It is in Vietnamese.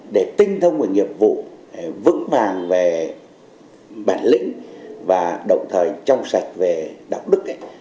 để tinh thông về nghiệp vụ vững vàng về bản lĩnh và đồng thời trong sạch về đạo đức